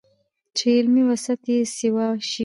چې علمي وسعت ئې سېوا شي